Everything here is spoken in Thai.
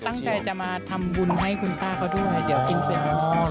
ตั้งใจจะมาทำบุญให้คุณป้าเขาด้วยเดี๋ยวกินเสร็จ